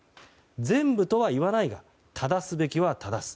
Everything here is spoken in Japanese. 全部とはいわないが正すべきは正す。